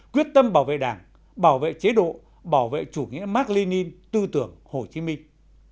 quyết tâm bảo vệ đảng bảo vệ chế độ bảo vệ chủ nghĩa mark lenin tư tưởng hồ chí minh